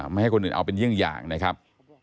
ไม่ให้คนอื่นเอาเป็นเยี่ยงอย่างนะครับ